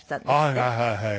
はいはいはいはい。